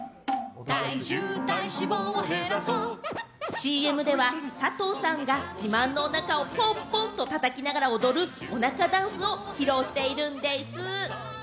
ＣＭでは佐藤さんが自慢のおなかをポンポンと叩きながら踊る、おなかダンスを披露しているんでぃす。